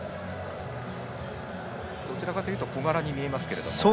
どちらかというと小柄に見えますが。